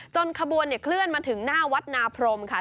ขบวนเคลื่อนมาถึงหน้าวัดนาพรมค่ะ